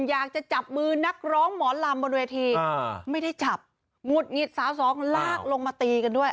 อยากจะจับมือนักร้องหมอลำบนเวทีไม่ได้จับหงุดหงิดสาวสองลากลงมาตีกันด้วย